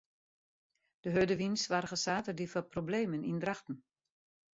De hurde wyn soarge saterdei foar problemen yn Drachten.